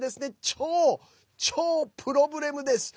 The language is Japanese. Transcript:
超、超プロブレムです！